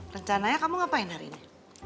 rencananya kamu ngapain hari ini